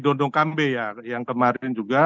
dondong kambe yang kemarin juga